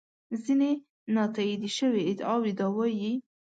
ځینې نا تایید شوې ادعاوې دا وایي.